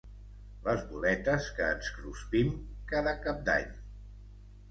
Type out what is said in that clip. Les boletes que ens cruspim cada cap d'any.